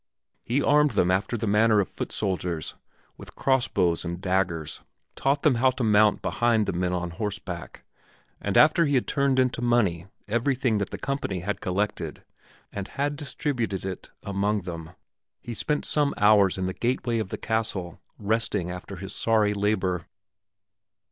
He armed them after the manner of foot soldiers, with cross bows and daggers, taught them how to mount behind the men on horseback, and after he had turned into money everything that the company had collected and had distributed it among them, he spent some hours in the gateway of the castle, resting after his sorry labor.